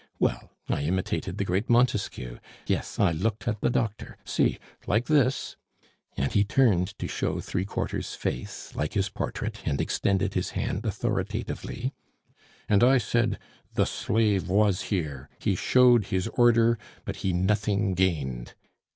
Well, I imitated the great Montesquieu. Yes, I looked at the doctor see, like this," and he turned to show three quarters face, like his portrait, and extended his hand authoritatively "and I said: "The slave was here, He showed his order, but he nothing gained.